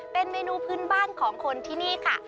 เป็นเมนูพื้นบ้านของคนที่นี่ค่ะ